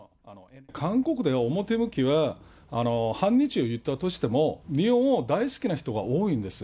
韓国では、表向きは反日を言ったとしても、日本を大好きな人が多いんです。